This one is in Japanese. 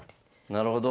なるほど。